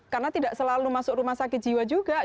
karena tidak selalu masuk rumah sakit jiwa juga